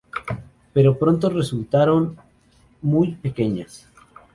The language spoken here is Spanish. Pero pronto, resultaron muy pequeñas.